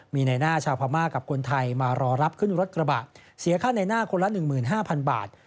มีในหน้าชาวพม่ากับคนไทยมารอรับขึ้นรถกระบะเสียค่าในหน้าคนละ๑๕๐๐๐บาท